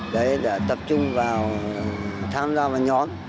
đấy là tập trung vào tham gia vào nhóm